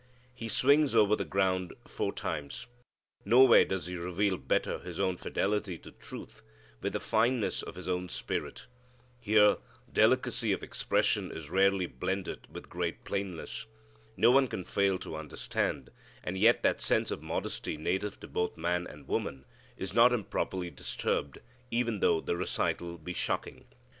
He swings over the ground four times. Nowhere does he reveal better his own fidelity to truth, with the fineness of his own spirit. Here, delicacy of expression is rarely blended with great plainness. No one can fail to understand, and yet that sense of modesty native to both man and woman is not improperly disturbed, even though the recital be shocking.